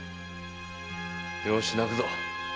〔よし泣くぞ。